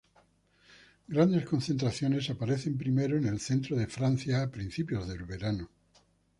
Grandes concentraciones aparecen primero en el centro de Francia a principios del verano.